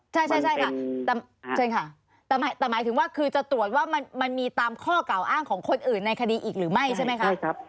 ใช่ค่ะเชิญค่ะแต่หมายถึงว่าคือจะตรวจว่ามันมีตามข้อกล่าวอ้างของคนอื่นในคดีอีกหรือไม่ใช่ไหมคะ